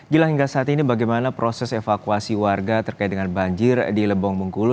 gila hingga saat ini bagaimana proses evakuasi warga terkait dengan banjir di lebong bengkulu